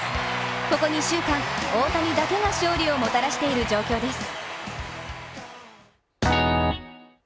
ここ２週間大谷だけが勝利をもたらしている状況です。